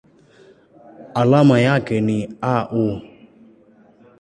Alama yake ni Au.